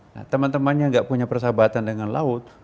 nah teman temannya nggak punya persahabatan dengan laut